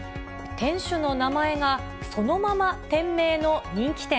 店主の名前がそのまま店名の人気店。